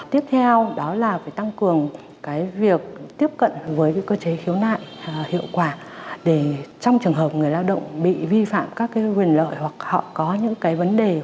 tiếp theo đó là phải tăng cường cái việc tiếp cận với cơ chế khiếu nại hiệu quả để trong trường hợp người lao động bị vi phạm các quyền lợi hoặc họ có những cái vấn đề